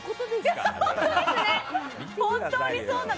本当にそうなの。